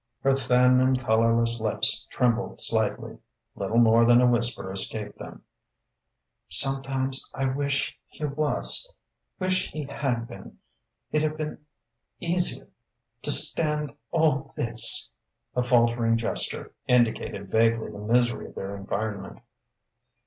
Her thin and colourless lips trembled slightly; little more than a whisper escaped them: "Sometimes I wish he was wish he had been. It'd 've been easier to stand all this." A faltering gesture indicated vaguely the misery of their environment.